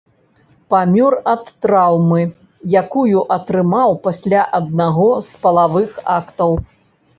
Памёр ад траўмы, якую атрымаў пасля аднаго з палавых актаў.